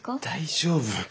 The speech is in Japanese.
大丈夫。